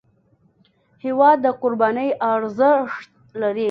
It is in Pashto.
هېواد د قربانۍ ارزښت دی.